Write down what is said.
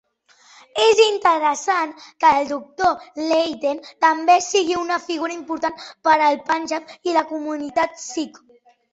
És interessant que el doctor Leyden també sigui una figura important per al Panjab i la comunitat sikh.